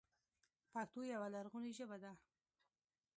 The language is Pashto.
پښتو يوه لرغونې ژبه ده.